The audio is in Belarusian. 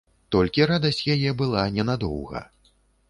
Толькі радасць яе была ненадоўга.